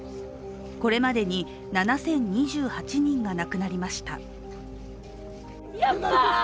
これまでに７０２８人が亡くなりました。